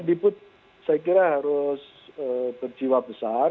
kmdb pun saya kira harus berjiwa besar